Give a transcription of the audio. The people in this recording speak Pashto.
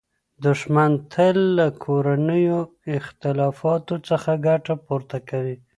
دښمن تل له کورنیو اختلافاتو څخه ګټه پورته کوي.